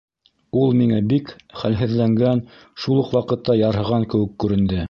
Ул миңә бик хәлһеҙләнгән, шул уҡ ваҡытта ярһыған кеүек күренде.